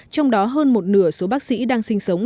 trong đó hơn một nửa số bác sĩ đang sinh sống